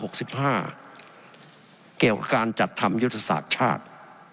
เกี่ยวกับการจัดทำยุทธศาสตร์ชาติ